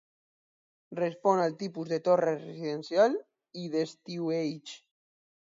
Respon al tipus de torre residencial i d'estiueig.